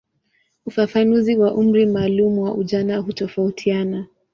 Ufafanuzi wa umri maalumu wa ujana hutofautiana.